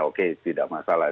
oke tidak masalah